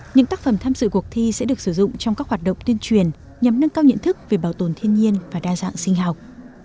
những tác phẩm tham dự cuộc thi sẽ được sử dụng trong các hoạt động tuyên truyền nhằm nâng cao nhận thức về bảo tồn thiên nhiên và đa dạng sinh học